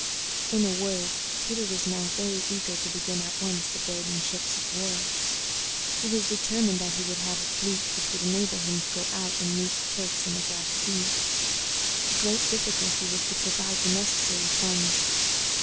In a word, Peter was now very eager to begin at once the building ships of war. He was determined that he would have a fleet which would enable him to go out and meet the Turks in the Black Sea. The great difficulty was to provide the necessary funds.